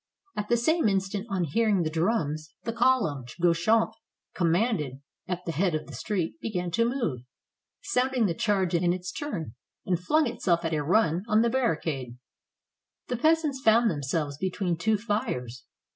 At the same instant, on hearing the drums, the column which Guechamp commanded at the head of the street began to move, sounding the charge in its turn, and flung itself at a run on the barri cade. The peasants found themselves between two fires.